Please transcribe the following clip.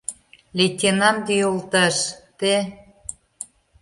Лейтенант йолташ, те...